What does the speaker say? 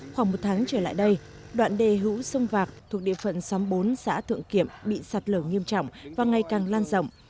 khoảng một tháng trở lại đây đoạn đề hữu sông vạc thuộc địa phận xóm bốn xã thượng kiệm bị sạt lở nghiêm trọng và ngày càng lan rộng